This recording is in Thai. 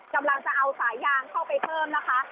กำลังจะเอาสายยางเข้าไปเพิ่มนะคะ